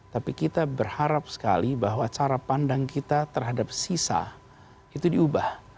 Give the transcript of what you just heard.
tapi kita berharap sekali bahwa cara pandang kita terhadap sisa itu diubah